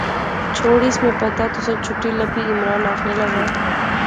چھوڑیس، میں پتہ، تسیں چٹھی لبی، عمران آخنے لاغآ